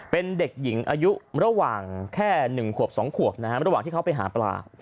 เป็นเด็กหญิงอายุระหว่างแค่๑ขวบ๒ขวบนะฮะระหว่างที่เขาไปหาปลา